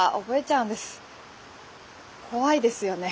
怖いですよね